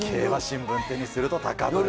競馬新聞手にすると高ぶる。